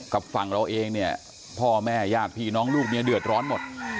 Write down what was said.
กับฝั่งเราเองเนี่ยพ่อแม่ญาติพี่น้องลูกเมียเดือดร้อนหมด